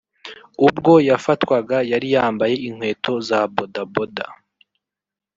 ubwo yafatwaga yari yambaye inkweto za bodaboda